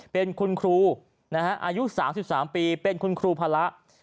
เป็นคุณครูอายุ๓๓ปีเป็นคุณครูภาระ